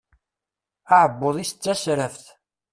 Aɛebbuḍ-is d tasraft.